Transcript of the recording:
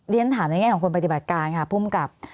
เรียนถามในแง่ของคนปฏิบัติการค่ะภูมิกับ